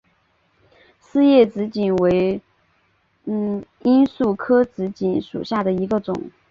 丝叶紫堇为罂粟科紫堇属下的一个种。